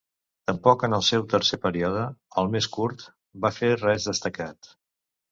Tampoc en el seu tercer període, el més curt, va fer res destacat.